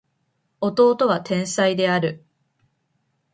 弟は天才である